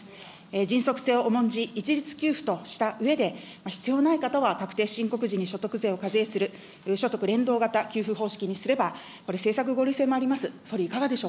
迅速性を重んじ、一律給付としたうえで、必要ない方は確定申告時に所得税を課税する、所得連動型給付方式にすれば、これ、政策合理性もあります。